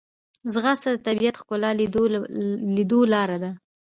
ځغاسته د طبیعت ښکلا لیدو لاره ده